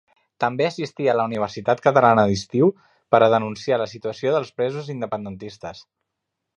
També assistí a la Universitat Catalana d'Estiu per a denunciar la situació dels presos independentistes.